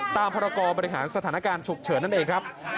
พรกรบริหารสถานการณ์ฉุกเฉินนั่นเองครับ